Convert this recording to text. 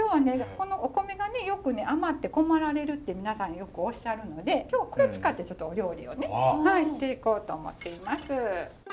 このお米がねよくね余って困られるって皆さんよくおっしゃるので今日これ使ってちょっとお料理をねしていこうと思っています。